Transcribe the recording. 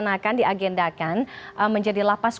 nah ini sedang fokus untuk melapas lagi